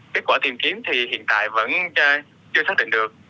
kết quả tìm kiếm thì hiện tại vẫn chưa xác định được